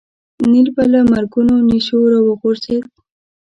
نیل به له مرګونو نېشو راوغورځېد.